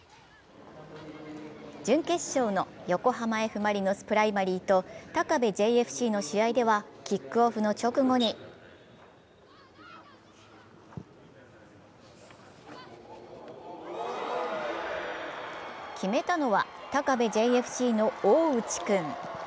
準決勝の横浜Ｆ・マリノスプライマリーと高部ＪＦＣの試合ではキックオフの直後に決めたのは高部ＪＦＣの大内君。